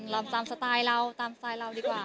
ลองตามสไตล์เราตามสไตล์เราดีกว่า